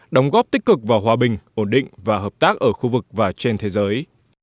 đóng góp tích cực vào hòa bình ổn định và hợp tác ở khu vực và trên thế giới